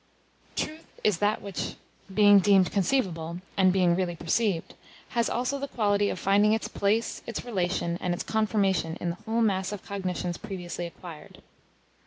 Truth is that which, being deemed conceivable, and being really perceived, has also the quality of finding its place, its relation, and its confirmation in the whole mass of cognitions previously acquired.